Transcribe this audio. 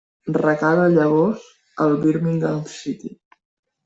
Recala llavors al Birmingham City.